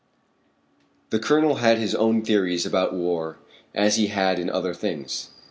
The Colonel had his own theories about war as he had in other things.